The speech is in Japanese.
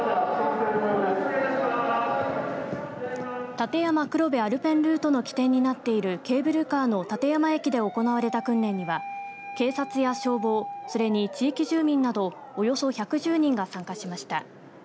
立山黒部アルペンルートの起点になっているケーブルカーの立山駅で行われた訓練には警察や消防、それに地域住民などおよそ１１０人が参加しました。